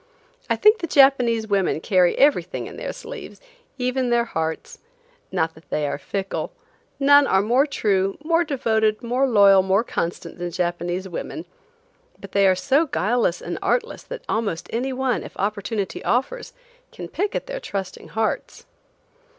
I think the Japanese women carry everything in their sleeves, even their hearts. Not that they are fickle–none are more true, more devoted, more loyal, more constant, than Japanese women–but they are so guileless and artless that almost any one, if opportunity offers, can pick at their trusting hearts.